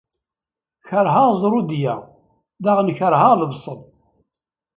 Kerheɣ ẓrudiya daɣen kerheɣ lebṣel.